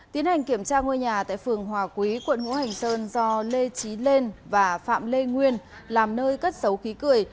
tiến hành kiểm tra ngôi nhà tại phường hòa quý quận ngũ hành sơn do lê trí lên và phạm lê nguyên làm nơi cất xấu khí cười